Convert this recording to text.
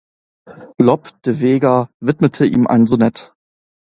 Lope de Vega widmete ihm ein Sonett.